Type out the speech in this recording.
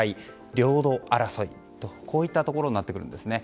領土争いとこういったところになってくるんですね。